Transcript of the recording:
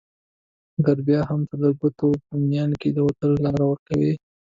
مګر بیا هم ته د ګوتو په میان کي د وتلو لار ورکوي